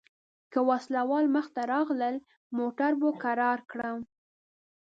که وسله وال مخته راغلل موټر به کرار کړم.